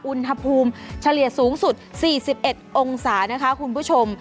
อุณหภูมิเฉลี่ยสูงสุด๔๑องศานะคะคุณผู้ชม